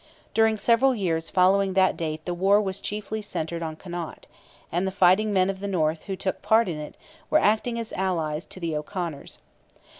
During several years following that date the war was chiefly centred in Connaught, and the fighting men of the north who took part in it were acting as allies to the O'Conors.